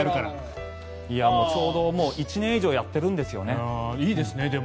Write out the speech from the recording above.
ちょうど１年以上やっているんですよね。